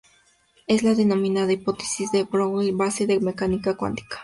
Es la denominada Hipótesis de De Broglie, base de la Mecánica cuántica.